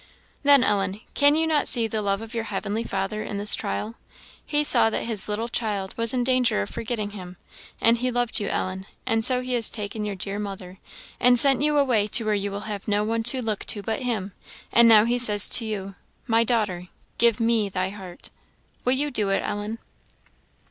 "Then Ellen, can you not see the love of your heavenly Father in this trial? He saw that his little child was in danger of forgetting him; and he loved you, Ellen; and so he has taken your dear mother, and sent you away where you will have no one to look to but him; and now he says to you, 'My daughter, give me thy heart.' Will you do it, Ellen?"